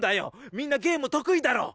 みんなゲーム得意だろ？